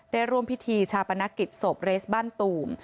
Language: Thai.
ได้ร่วมพิธีชาปนาทิศศพเวสต์บ้านตุ๋ม